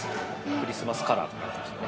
クリスマスカラーとなってましてね。